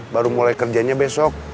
baru mulai kerjanya besok